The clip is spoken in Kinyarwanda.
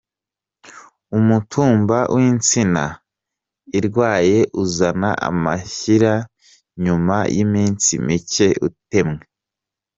Umutumba w’insina irwaye uzana amashyira nyuma y’iminsi mikeya utemwe.